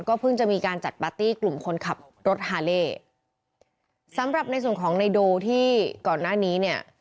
เพิ่งจะมีการจัดปาร์ตี้กลุ่มคนขับรถฮาเล่สำหรับในส่วนของในโดที่ก่อนหน้านี้เนี่ย